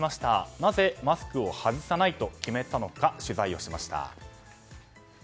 なぜマスクを外さないと決めたのか取材をしました。